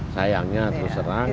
sayangnya terus serang